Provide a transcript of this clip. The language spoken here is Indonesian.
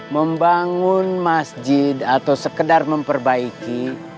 membangun masjid atau sekedar memperbaiki